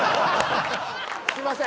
すいません。